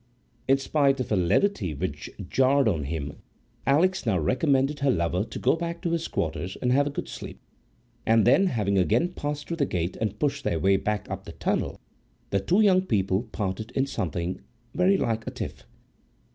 In a spirit of levity which jarred on him, Alix now recommended her lover to go back to his quarters and have a good sleep; and then, having again passed through the gate and pushed their way up the tunnel, the two young people parted in something very like a tiff.